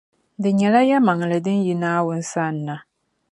Di nyɛla yɛlimaŋli din yi Naawuni sani na.